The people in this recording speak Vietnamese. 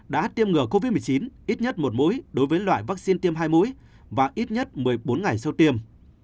đã tiêm ngừa covid một mươi chín ít nhất một mũi đối với loại vaccine tiêm hai mũi và ít nhất một mươi bốn ngày sau tiêm